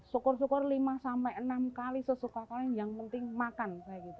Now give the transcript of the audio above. syukur syukur lima enam kali sesuka kalian yang penting makan